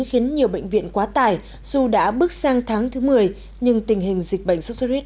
khiến nhiều bệnh viện quá tải dù đã bước sang tháng thứ một mươi nhưng tình hình dịch bệnh sốt xuất huyết